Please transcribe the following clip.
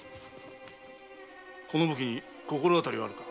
この武器に心当たりはあるか？